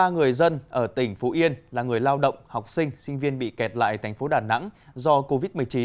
một trăm sáu mươi ba người dân ở tỉnh phú yên là người lao động học sinh sinh viên bị kẹt lại thành phố đà nẵng do covid một mươi chín